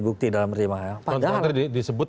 bukti dalam pertimbangan tadi disebut